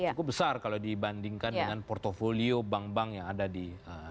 cukup besar kalau dibandingkan dengan portfolio bank bank yang ada di